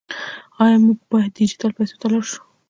آیا موږ باید ډیجیټل پیسو ته لاړ شو؟